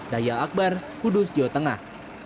daya akbar kudus jawa tengah